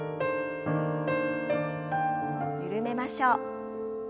緩めましょう。